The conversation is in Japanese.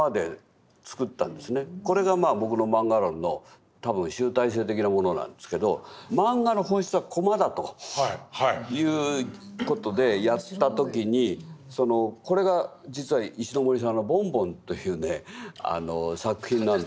これが僕のマンガ論の多分集大成的なものなんですけどマンガの本質はコマだという事でやった時にこれが実は石森さんの「ボンボン」という作品なんですよ。